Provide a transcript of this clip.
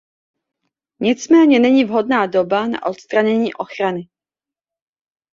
Nicméně není vhodná doba na odstranění ochrany.